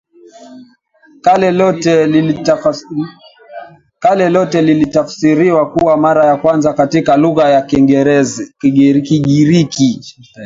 Kale lote lilitafsiriwa kwa mara ya kwanza katika lugha ya Kigiriki